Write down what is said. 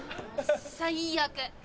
最悪。